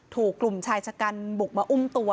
ถูกกลุ่มชายชะกันบุกมาอุ้มตัว